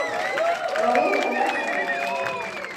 غالۍ په لاس اوبدل کیږي.